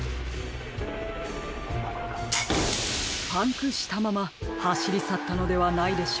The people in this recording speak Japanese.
パンクしたままはしりさったのではないでしょうか。